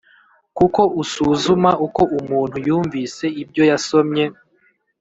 kuko usuzuma uko umuntu yumvise ibyo yasomye